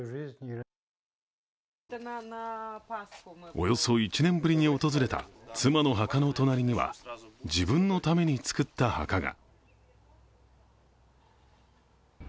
およそ１年ぶりに訪れた妻の墓の隣には自分のために作った墓が。